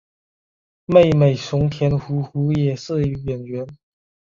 妹妹熊田胡胡也是演员。